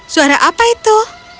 suara apa itu